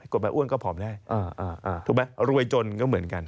มาอ้วนก็ผอมได้ถูกไหมรวยจนก็เหมือนกัน